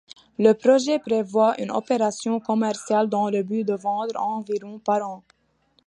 Le projet prévoit une opération commerciale dans le but de vendre environ par an.